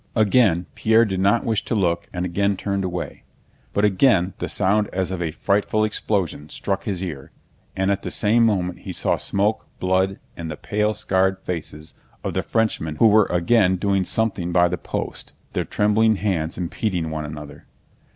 Again Pierre did not wish to look and again turned away; but again the sound as of a frightful explosion struck his ear, and at the same moment he saw smoke, blood, and the pale, scared faces of the Frenchmen who were again doing something by the post, their trembling hands impeding one another.